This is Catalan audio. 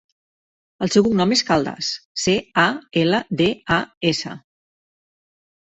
El seu cognom és Caldas: ce, a, ela, de, a, essa.